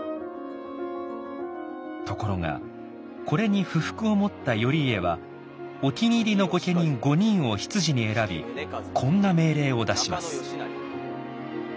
ところがこれに不服を持った頼家はお気に入りの御家人５人を執事に選びこんな命令を出します。